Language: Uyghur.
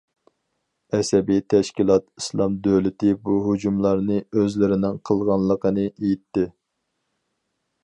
ئەسەبىي تەشكىلات ئىسلام دۆلىتى بۇ ھۇجۇملارنى ئۆزلىرىنىڭ قىلغانلىقىنى ئېيتتى.